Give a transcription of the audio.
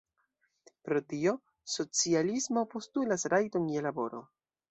Pro tio socialismo postulas rajton je laboro.